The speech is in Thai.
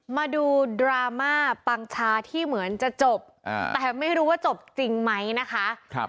มาดูดราม่าปังชาที่เหมือนจะจบแต่ไม่รู้ว่าจบจริงไหมนะคะ